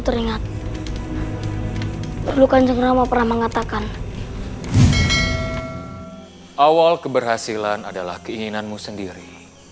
teringat dulu kanjengrama pernah mengatakan awal keberhasilan adalah keinginanmu sendiri